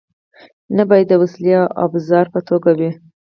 نه باید د وسیلې او ابزار په توګه وي.